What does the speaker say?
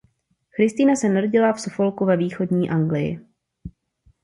Christina se narodila v Suffolku ve východní Anglii.